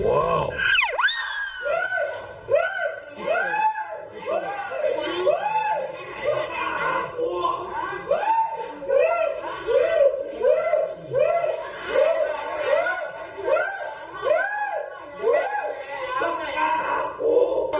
โอ้โห